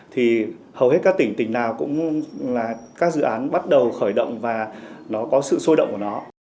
thì hầu hết các tỉnh tỉnh nào cũng là các dự án bắt đầu khởi động và nó có sự sôi động của nó